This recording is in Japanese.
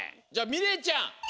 みれいちゃん